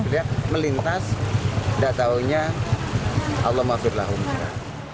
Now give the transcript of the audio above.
tapi melintas nggak tahunya allah maafkanlah umatnya